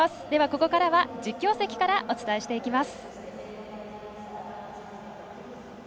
ここからは実況席からお伝えしていきます。